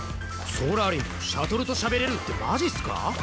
ソラリンシャトルとしゃべれるってマジっすか？